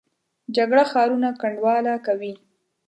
جګړه ښارونه کنډواله کوي